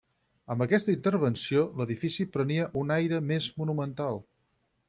Amb aquesta intervenció l'edifici prenia un aire més monumental.